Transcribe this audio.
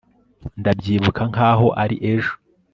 ndabyibuka nkaho ari ejo